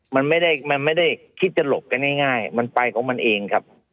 มันไม่ได้คิดจะหลบกันง่ายมันไปของมันเองครับ